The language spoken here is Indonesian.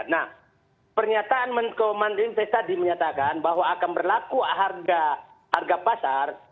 nah pernyataan kementerian pertanian pertanian tadi menyatakan bahwa akan berlaku harga pasar